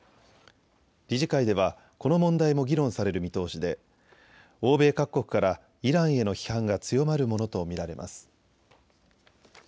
理事会ではこの問題も議論される見通しで欧米各国からイランへの批判が強まるものと見られます。